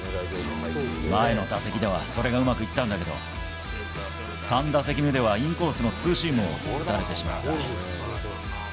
前の打席ではそれがうまくいったんだけど、３打席目ではインコースのツーシームを打たれてしまった。